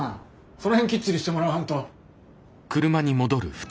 その辺きっちりしてもらわんと。